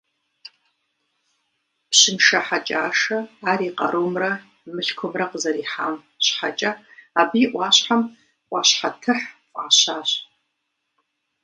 Пщыншэ Хьэкӏашэ ар и къарумрэ мылъкумрэ къызэрихьам щхьэкӏэ абы и ӏуащхьэм «ӏуащхьэтыхь» фӏащащ.